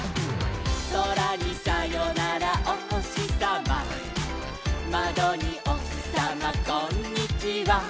「そらにさよならおほしさま」「まどにおひさまこんにちは」